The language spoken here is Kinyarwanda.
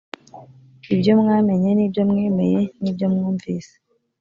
ibyo mwamenye n’ibyo mwemeye n’ibyo mwumvise